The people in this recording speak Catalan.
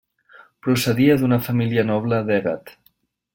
Procedia d'una família noble d'Èguet.